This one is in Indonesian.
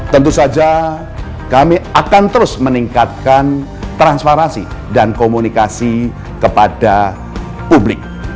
tentu saja kami akan terus meningkatkan transparansi dan komunikasi kepada publik